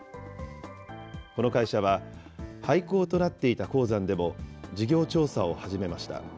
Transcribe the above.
この会社は、廃坑となっていた鉱山でも、事業調査を始めました。